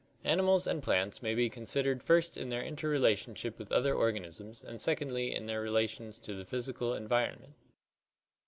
Animals and plants may be considered first in their interrela tionship with other organisms and secondly in their relations to the physical environment.